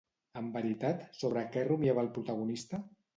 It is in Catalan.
En veritat, sobre què rumiava el protagonista?